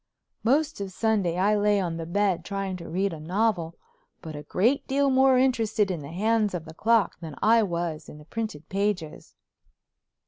Most of Sunday I lay on the bed trying to read a novel, but a great deal more interested in the hands of the clock than I was in the printed pages.